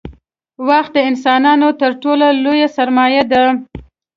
• وخت د انسانانو تر ټولو لوی سرمایه دی.